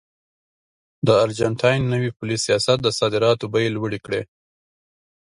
د ارجنټاین نوي پولي سیاست د صادراتو بیې لوړې کړې.